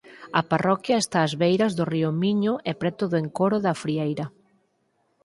A parroquia está ás beiras do río Miño e preto do encoro da Frieira.